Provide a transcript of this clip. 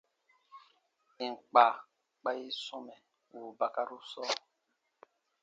Ì n kpa, kpa i sɔmɛ wùu bakaru sɔɔ.